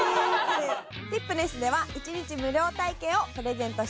ティップネスでは一日無料体験をプレゼントしてます。